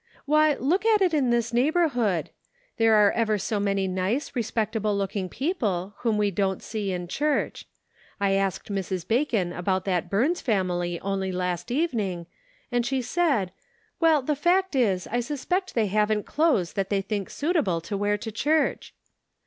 Why, look at it in this neigh borhood; there are ever so many nice, respect able looking people whom we don't see in church. I asked Mrs. Bacon about that Burns family only last evening, and she said :* Well, the fact is, I suspect they haven't clothes that they think suitable to wear to church.'